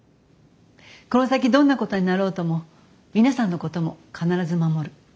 この先どんなことになろうとも皆さんのことも必ず守る。